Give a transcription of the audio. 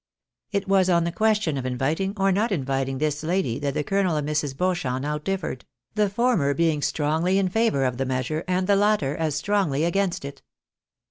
It was on the question of inviting or not inviting this lady that the colonel and Mrs. Beauchamp now differed, the former being strongly in favour of the measure, and the latter as strongly against it.